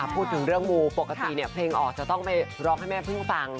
พูดถึงเรื่องมูปกติเพลงออกจะต้องไปร้องให้แม่พึ่งฟัง